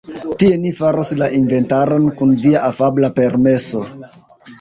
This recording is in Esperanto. Tie, ni faros la inventaron, kun via afabla permeso.